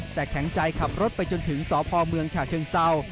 แต่แข็งใจขับรถไปจนถึงสพเมืองฉะเชิงเศร้า